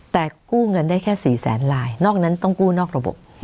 แต่กู้เงินได้แค่๔แสนลายนอกนั้นต้องกู้นอกระบบ